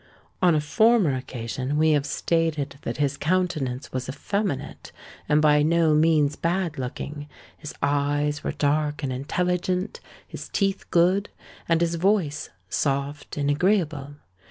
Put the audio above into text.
On a former occasion we have stated that his countenance was effeminate and by no means bad looking; his eyes were dark and intelligent; his teeth good; and his voice soft and agreeable.